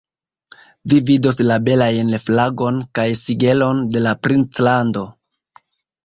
Vi vidos la belajn flagon kaj sigelon de la princlando.